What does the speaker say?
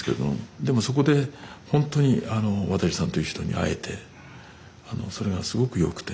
でもそこでほんとに渡さんという人に会えてあのそれがすごく良くて。